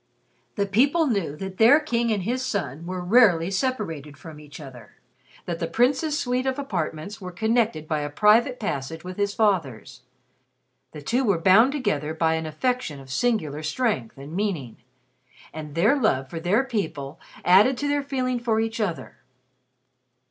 The people knew that their King and his son were rarely separated from each other; that the Prince's suite of apartments were connected by a private passage with his father's. The two were bound together by an affection of singular strength and meaning, and their love for their people added to their feeling for each other.